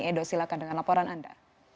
edo silakan dengan laporan anda